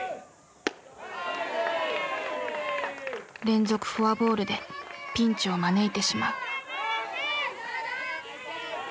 連続フォアボールでピンチを招いてしまう。